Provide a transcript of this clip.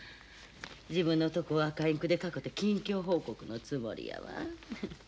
自分のとこ赤インクで囲って近況報告のつもりやわ。